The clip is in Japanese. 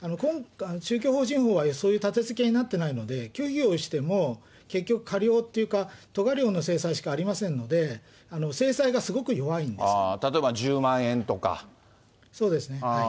ですけど、宗教法人法はそういうたてつけになってないので、虚偽をしても、結局過料っていうか、とが料の制裁しかありませんので、制裁がすごく弱いんですよ。